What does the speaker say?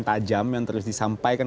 tajam yang terus disampaikan